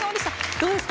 どうですか？